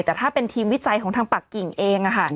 แต่ถ้าเป็นทีมวิจัยของทางปากกิ่งเอง